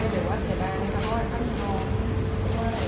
หรือว่าเสียใจอะไรครับ